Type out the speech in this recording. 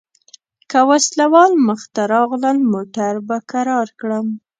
که وسله وال مخته راغلل موټر به کرار کړم.